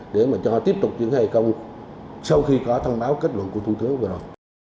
để mà cho tiếp tục triển khai công sau khi có thông báo kết luận của thủ tướng vừa rồi